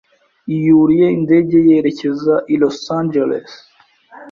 Yuriye indege yerekeza i Los Angeles.